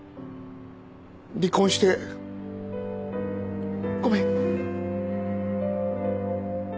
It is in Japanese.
離婚してごめん。